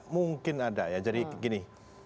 mungkin ada ya jadi gini